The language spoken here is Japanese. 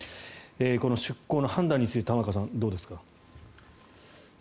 この出航の判断について玉川さんいかがですか。